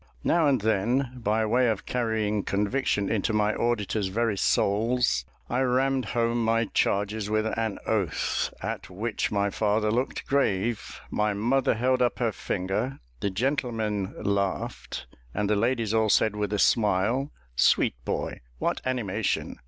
Now and then, by way of carrying conviction into my auditors' very souls, I rammed home my charges with an oath, at which my father looked grave, my mother held up her finger, the gentlemen laughed, and the ladies all said with a smile, "Sweet boy! what animation!